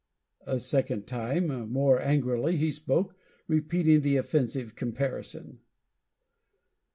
A second time, and more angrily he spoke, repeating the offensive comparison.